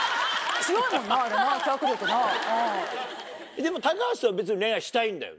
でも高橋さん恋愛したいんだよね？